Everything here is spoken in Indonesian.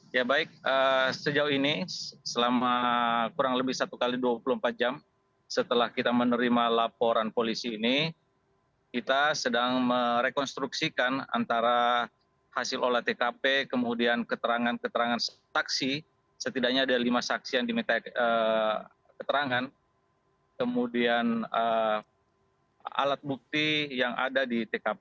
ya baik sejauh ini selama kurang lebih satu x dua puluh empat jam setelah kita menerima laporan polisi ini kita sedang merekonstruksikan antara hasil olah tkp kemudian keterangan keterangan saksi setidaknya ada lima saksi yang diminta keterangan kemudian alat bukti yang ada di tkp